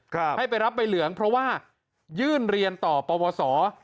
ครับให้ไปรับใบเหลืองเพราะว่ายื่นเรียนต่อประวัติศาสตร์